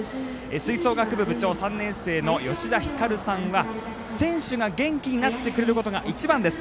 吹奏楽部部長、３年生のよしだひかるさんは選手が元気になってくれることが一番です。